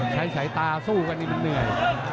ใช้สายตาสู้กันนี่มันเหนื่อย